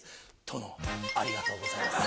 殿ありがとうございます。